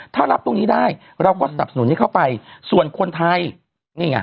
ถ้ารับตรงนี้ได้เราก็สนับสนุนให้เข้าไปส่วนคนไทยนี่ไง